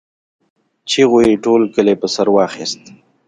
چيغو يې ټول کلی په سر واخيست.